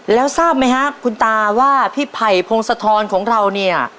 แล้วทราบไหมครับคุณตาว่าพี่ไผ่พงศธรของเราเนี่ย